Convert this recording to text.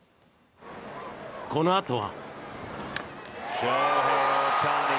このあとは。